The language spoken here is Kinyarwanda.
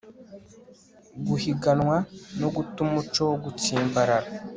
guhiganwa no guta umuco wo gutsimbarara